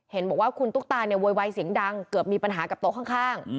เห็นบอกว่าคุณตุ๊กตาเนี่ยโวยวายเสียงดังเกือบมีปัญหากับโต๊ะข้าง